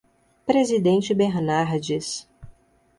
Presidente Bernardes